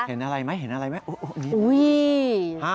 เห็นอะไรไหมโอ๊ย